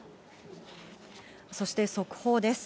そして速報です。